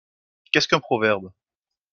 Qu'est-ce qu'un proverbe ?